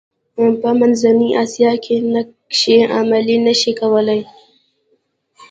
په منځنۍ اسیا کې نقشې عملي نه شي کولای.